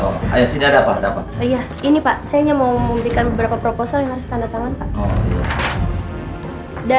maaf saya tidak berdonya sendiri pak mei ini pak saya cuma mau membeli beberapa zolek dosa pasukan ini tapi mas bambang terra